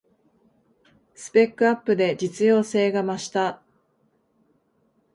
スペックアップで実用性が増した